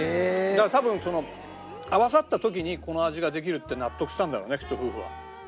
だから多分その合わさった時にこの味ができるって納得したんだろうねきっと夫婦は。